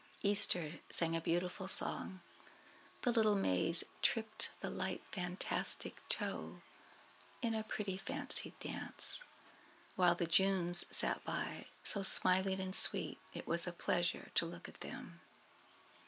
Easter sang a beautiful song, the little Mays "tripped the light fantastic toe" in a pretty fancy dance, while the Junes sat by so smiling and sweet it was a pleasure to look at them.